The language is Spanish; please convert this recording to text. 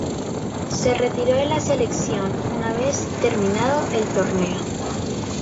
Se retiró de la selección una vez terminado el torneo.